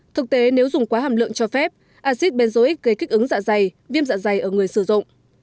thực tế nếu dùng quá hàm lượng cho phép acid benzoic gây kích ứng dạ dày viêm dạ dày ở người sử dụng